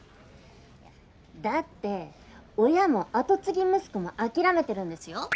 だって親も跡継ぎ息子も諦めてるんですよ？